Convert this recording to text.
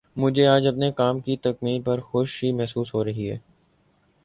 مجھے آج اپنے کام کی تکمیل پر خوشی محسوس ہو رہی ہے